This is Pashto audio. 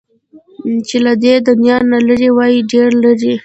چې له دې دنيا نه لرې وای، ډېر لرې